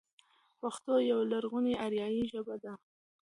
پښتو يوه لرغونې آريايي ژبه ده.